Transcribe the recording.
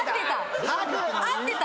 合ってた！